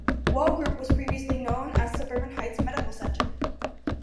Well Group was previously known as Suburban Heights Medical Center.